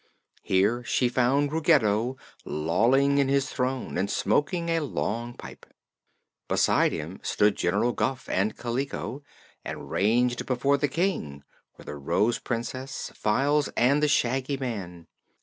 Here she found Ruggedo lolling in his throne and smoking a long pipe. Beside him stood General Guph and Kaliko, and ranged before the King were the Rose Princess, Files and the Shaggy Man.